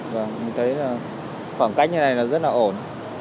mình thấy khoảng cách như này rất là ổn